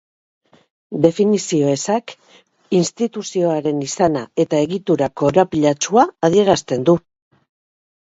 Definizio ezak instituzioaren izana eta egitura korapilatsua adierazten du.